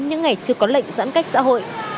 những ngày chưa có lệnh giãn cách xã hội